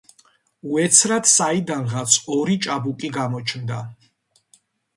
უეცრად საიდანღაც ორი ჭაბუკი გამოჩნდა.